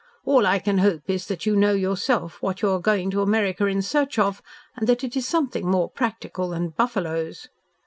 All I can hope is that you know yourself what you are going to America in search of, and that it is something more practical than buffaloes.